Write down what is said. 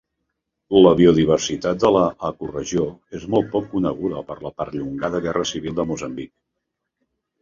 La biodiversitat de l'ecoregió és molt poc coneguda per la perllongada guerra civil de Moçambic.